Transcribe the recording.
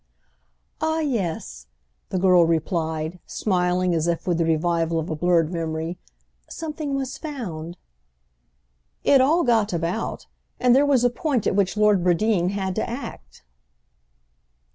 "Ah yes," the girl replied, smiling as if with the revival of a blurred memory; "something was found." "It all got about—and there was a point at which Lord Bradeen had to act."